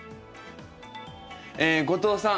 後藤さん